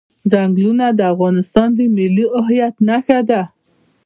ځنګلونه د افغانستان د ملي هویت نښه ده.